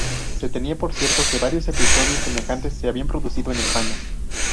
Se tenía por cierto que varios episodios semejantes se habían producido en España.